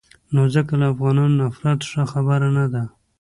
نو ځکه له افغانانو نفرت ښه خبره نه ده.